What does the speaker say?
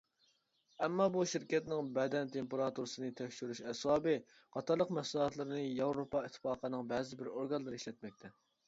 ئەمما بۇ شىركەتنىڭ بەدەن تېمپېراتۇرىسىنى تەكشۈرۈش ئەسۋابى قاتارلىق مەھسۇلاتلىرىنى ياۋروپا ئىتتىپاقىنىڭ بەزىبىر ئورگانلىرى ئىشلەتمەكتە.